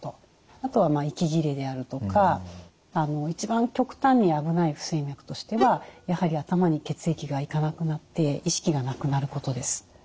あとは息切れであるとか一番極端に危ない不整脈としてはやはり頭に血液が行かなくなって意識がなくなることです。